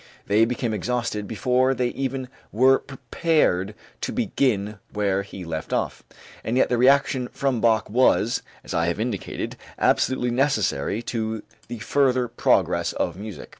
They became exhausted before they even were prepared to begin where he left off. And yet the reaction from Bach was, as I have indicated, absolutely necessary to the further progress of music.